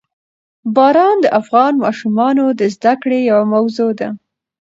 باران د افغان ماشومانو د زده کړې یوه موضوع ده.